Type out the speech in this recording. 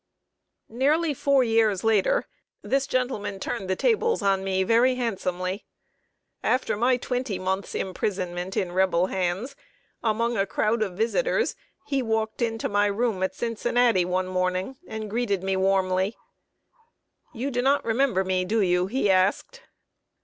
Nearly four years later, this gentleman turned the tables on me very handsomely. After my twenty months imprisonment in Rebel hands, among a crowd of visitors he walked into my room at Cincinnati one morning, and greeted me warmly. "You do not remember me, do you?" he asked.